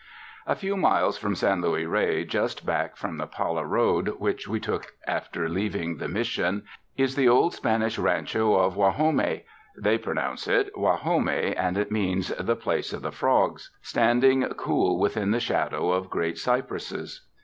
A few miles from San Luis Rey, just back from the Pala road which we took after leaving the Mis sion, is the old Spanish rancho of Guajome — they pronounce it luah ho may and it means "The Place of the Frogs" — standing cool within the shadow of great cypresses.